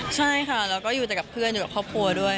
ใช่ค่ะแล้วก็อยู่แต่กับเพื่อนอยู่กับครอบครัวด้วย